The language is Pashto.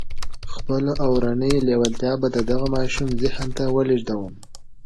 خپله اورنۍ لېوالتیا به د دغه ماشوم ذهن ته ولېږدوم.